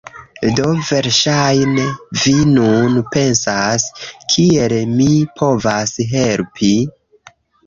Do verŝajne vi nun pensas, "Kiel mi povas helpi?"